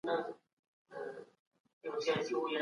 تېرو نسلونو ډېري سياسي تېروتني وکړې.